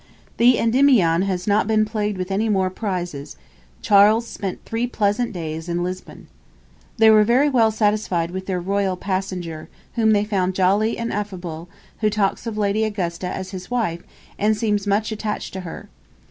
The "Endymion" has not been plagued with any more prizes. Charles spent three pleasant days in Lisbon. 'They were very well satisfied with their royal passenger, whom they found jolly and affable, who talks of Lady Augusta as his wife, and seems much attached to her.